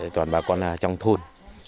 toàn bà con là trong thôn